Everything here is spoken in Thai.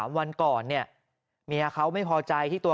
มียาเขาไม่พอใจที่ตัวเขาไม่มีปัญหาอันนั้น